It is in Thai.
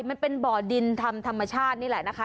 มันเป็นบ่อดินทำธรรมชาตินี่แหละนะคะ